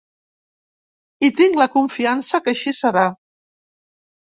I tinc la confiança que així serà.